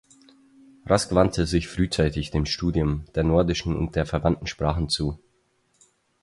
Rask wandte sich frühzeitig dem Studium der nordischen und anderen verwandten Sprachen zu.